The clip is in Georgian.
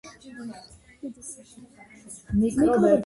თანამედროვე დოკუმენტებში მოიხსენიება სახელით ელმინა.